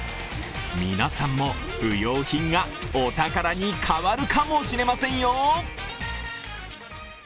皆さんも不要品がお宝に変わるかもしれませんよ。